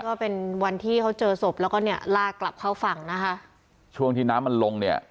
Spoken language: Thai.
ก็เป็นวันที่เขาเจอศพแล้วก็เนี่ยลากกลับเข้าฝั่งนะคะช่วงที่น้ำมันลงเนี่ย